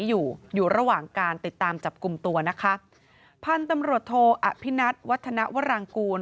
อยู่อยู่ระหว่างการติดตามจับกลุ่มตัวนะคะพันธุ์ตำรวจโทอภินัทวัฒนวรางกูล